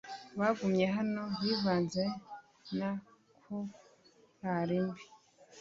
Bagumye hano bivanze na korari mbi